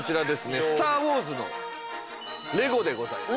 『スター・ウォーズ』のＬＥＧＯでございます。